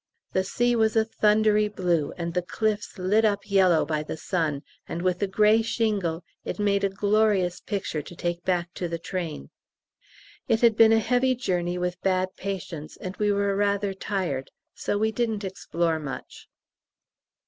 The sea was a thundery blue, and the cliffs lit up yellow by the sun, and with the grey shingle it made a glorious picture to take back to the train. It had been a heavy journey with bad patients, and we were rather tired, so we didn't explore much.